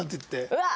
うわっ。